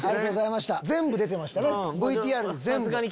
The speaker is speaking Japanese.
全部出てましたねＶＴＲに。